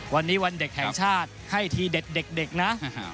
วันนี้วันเด็กแห่งชาติให้ทีเด็ดนะ